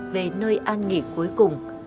về nơi an nghỉ cuối cùng